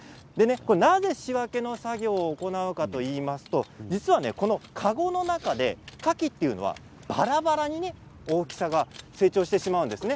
なぜ仕分けの作業を行うかといいますと実は籠の中でカキというのはばらばらに、大きさが成長してしまうんですね。